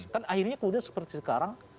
kan akhirnya seperti sekarang